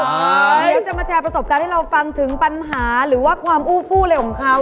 คุณจะมาแชร์ประสบการณ์ให้เราฟังถึงปัญหาหรือว่าความอู้ฟู้อะไรของเขา